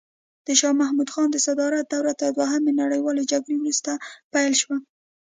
د شاه محمود خان د صدارت دوره تر دوهمې نړیوالې جګړې وروسته پیل شوه.